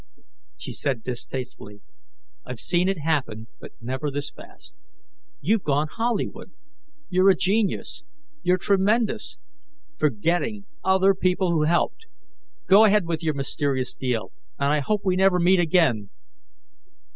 She said, distastefully, "I've seen it happen, but never this fast. You've gone Hollywood, you're a genius, you're tremendous forgetting other people who helped. Go ahead with your mysterious deal and I hope we never meet again."